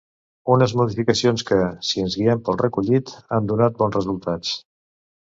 Unes modificacions que, si ens guiem pel recollit, han donat bons resultats.